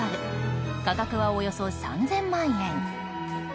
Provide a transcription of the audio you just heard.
価格はおよそ３０００万円。